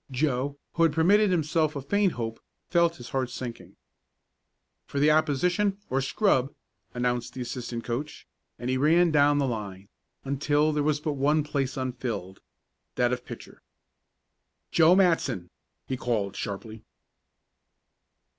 Joe, who had permitted himself a faint hope, felt his heart sinking. "For the opposition, or scrub," announced the assistant coach, and he ran down the line, until there was but one place unfilled that of pitcher. "Joe Matson!" he called, sharply.